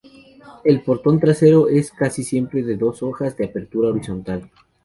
El portón trasero es casi siempre de dos hojas de apertura horizontal.